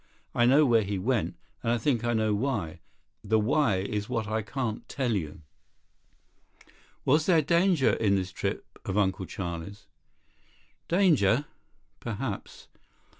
I know where he went, and I think I know why. The why is what I can't tell you." "Was there danger in this trip of Uncle Charlie's?" "Danger? Perhaps.